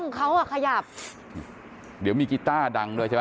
กล้องเขาอ่ะขยับเดี๋ยวมีกีตาร์ดังด้วยชัยน่ะ